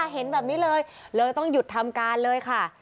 เห็นแบบนี้เลยเลยต้องหยุดทำการเลยค่ะ